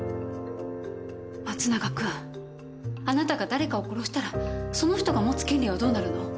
松永君あなたが誰かを殺したらその人が持つ権利はどうなるの？